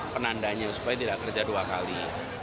penandanya supaya tidak kerja dua kali